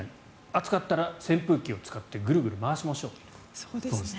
暑かったら扇風機を使ってぐるぐる回しましょうと。